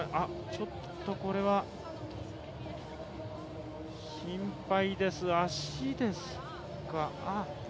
ちょっとこれは心配です、脚ですか？